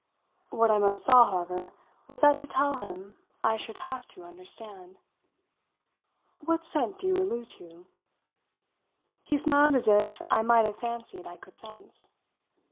What I most saw, however, was that to tell him I should have to understand. "What scent do you allude to?" He smiled as if I might have fancied I could fence.